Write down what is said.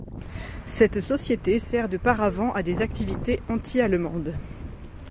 Cette société sert de paravent à des activités anti-allemandes.